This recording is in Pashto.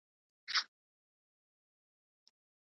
د پیرود پر مهال مې قیمتونه پرتله کړل.